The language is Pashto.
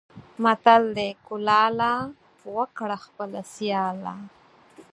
متل دی: کلاله! وکړه خپله سیاله.